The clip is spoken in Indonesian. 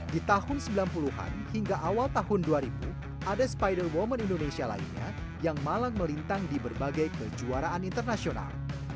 di tahun sembilan puluh an hingga awal tahun dua ribu ada spider woman indonesia lainnya yang malang melintang di berbagai kejuaraan internasional